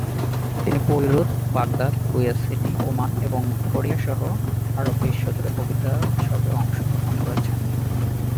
তিনি Beirut, Baghdad, Kuwait City, Oman এবং Cairo সহ আরব বিশ্ব জুড়ে কবিতা উৎসবে অংশগ্রহণ করেছেন।